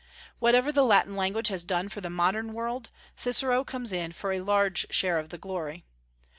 Whatever the Latin language has done for the modern world, Cicero comes in for a large share of the glory.